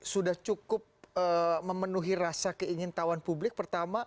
sudah cukup memenuhi rasa keinginan tawan publik pertama